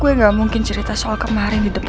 gue nggak mungkin cerita soal kemarin di depan papa